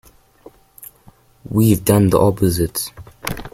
We've done the opposite.